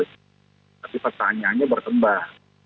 tapi pertanyaannya bertembah